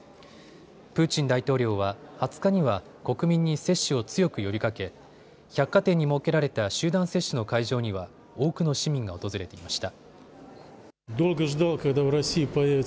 プーチン大統領は２０日には国民に接種を強く呼びかけ百貨店に設けられた集団接種の会場には多くの市民が訪れていました。